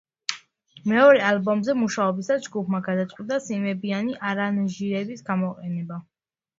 მეორე ალბომზე მუშაობისას ჯგუფმა გადაწყვიტა სიმებიანი არანჟირების გამოყენება.